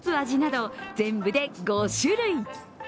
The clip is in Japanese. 味など全部で５種類。